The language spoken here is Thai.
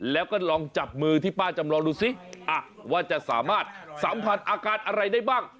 แล้วก็ลองจับมือที่ป้าจำลองดูซิว่าจะสามารถสัมผัสอาการอะไรได้บ้าง